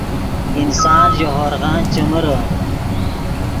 انسان ژے ہورغن چے مرے